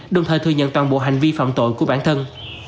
đồng thời thừa nhận toàn bộ hành vi phạm tội của bản thân